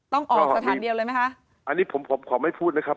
ต้องออกสถานเดียวเลยไหมคะอันนี้ผมผมขอไม่พูดนะครับ